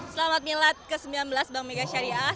selamat milad ke sembilan belas bank mega syariah